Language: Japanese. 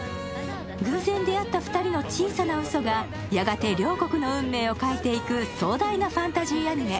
偶然出会った２人の小さなうそがやがて両国の運命を変えていく壮大なファンタジーアニメ